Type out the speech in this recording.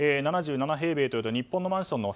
７７平米というと日本のマンションの